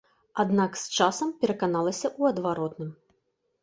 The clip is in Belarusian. Аднак з часам пераканалася ў адваротным.